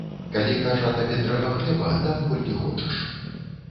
Калі, кажа, табе трэба хлеба, дам колькі хочаш.